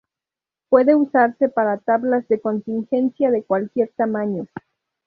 Puede usarse para tablas de contingencia de cualquier tamaño.